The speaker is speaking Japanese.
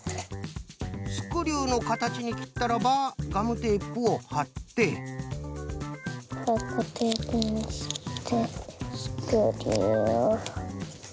スクリューのかたちにきったらばガムテープをはってわっかテープにしてスクリューを。